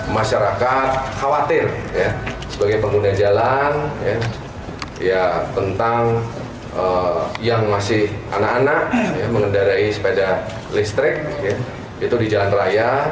masyarakat khawatir sebagai pengguna jalan tentang yang masih anak anak mengendarai sepeda listrik itu di jalan raya